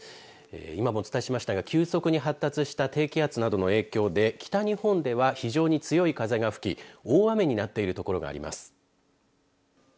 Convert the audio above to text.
今もお伝えしましたが急速に発達した低気圧などの影響で北日本では非常に強い風が吹き大雨になっているところがあります。